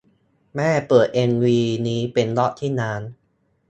แม่เปิดเอ็มวีนี้เป็นรอบที่ล้าน